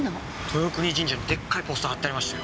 豊国神社にでっかいポスター貼ってありましたよ。